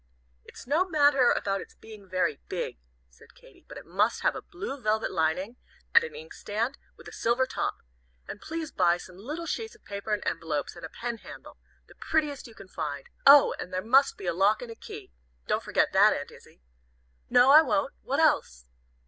"It's no matter about its being very big," said Katy, "but it must have a blue velvet lining, and an inkstand, with a silver top. And please buy some little sheets of paper and envelopes, and a pen handle; the prettiest you can find. Oh! and there must be a lock and key. Don't forget that, Aunt Izzie." "No, I won't. What else?"